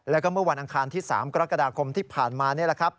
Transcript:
แล้วก็เมื่อวันอังคารที่๓กรกฎาคมที่ผ่านมานี่แหละครับ